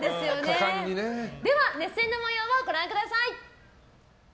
では熱戦の模様をご覧ください。